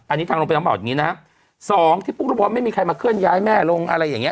อันนี้ทางโรงพยาบาลบอกอย่างงี้นะฮะสองที่ปุ๊กลูกบอลไม่มีใครมาเคลื่อนย้ายแม่ลงอะไรอย่างเง